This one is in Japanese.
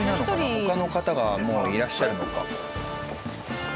他の方がもういらっしゃるのか。